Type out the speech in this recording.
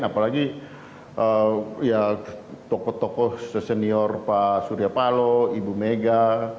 apalagi ya tokoh tokoh senior pak surya palo ibu mega